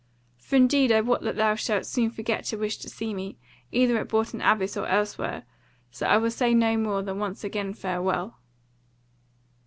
For indeed I wot that thou shalt soon forget to wish to see me, either at Bourton Abbas or elsewhere; so I will say no more than once again farewell."